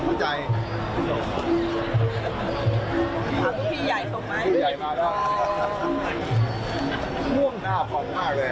พวกผู้พี่ใหญ่สมมัยพี่ใหญ่มากพี่ใหญ่มากคุณหน้าผอมมากเลย